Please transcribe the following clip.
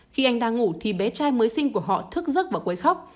khi anh đang ngủ thì bé trai mới sinh của họ thức giấc và quấy khóc